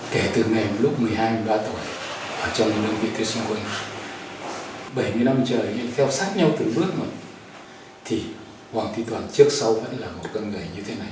kể từ ngày lúc một mươi hai một mươi ba tuổi trong lương việc thiếu sinh quân bảy mươi năm trời theo sát nhau từng bước một thì hoàng thúy toàn trước sau vẫn là một cơn đầy như thế này